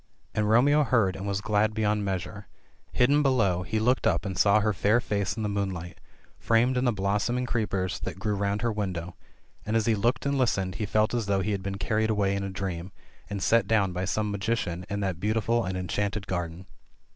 And Romeo heard and was glad beyond measure ; hidden below, he looked up and saw her fair face in the moonlight, framed in the blossoming creepers that grew round her window, and as he looked and listened, he felt as though he had been carried away in a dream, and set down by some magician in that beautiful and enchanted garden.